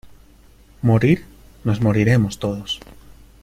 morir nos moriremos todos.